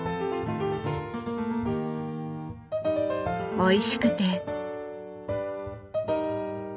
おいしくて。